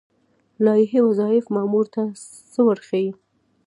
لایحه وظایف مامور ته څه ورښيي؟